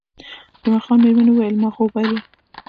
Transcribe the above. د جمعه خان میرمنې وویل، ما خو وبایلل.